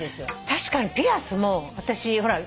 確かにピアスも私ほら